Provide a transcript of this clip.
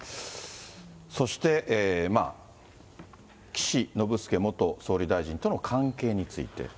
そして、岸信介元総理大臣との関係について。